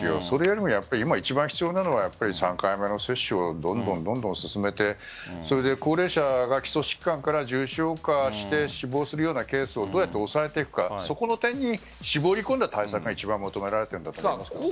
それよりも今一番必要なのは３回目の接種をどんどん進めて高齢者が基礎疾患から重症化して死亡するようなケースをどうやって抑えていくかその点に絞り込んだ対策が一番求められていると思います。